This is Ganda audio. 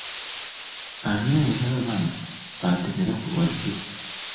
Ani ayagala bano ba ntemera ku lwajjo?